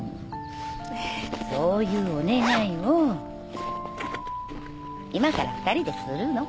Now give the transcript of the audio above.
そういうお願いを今から２人でするの。